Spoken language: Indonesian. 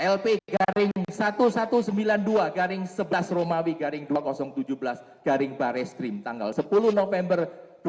lp garing seribu satu ratus sembilan puluh dua garing sebelas romawi garing dua ribu tujuh belas garing bareskrim tanggal sepuluh november dua ribu dua puluh